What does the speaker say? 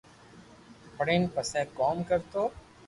پڙين پسو ڪوم ڪرتو